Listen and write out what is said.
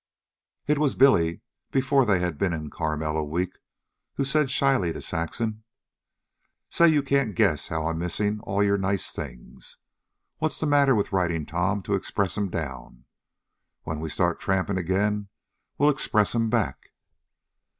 It was Billy, before they had been in Carmel a week, who said shyly to Saxon: "Say, you can't guess how I'm missin' all your nice things. What's the matter with writin' Tom to express 'm down? When we start trampin' again, we'll express 'm back."